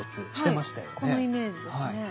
このイメージですね。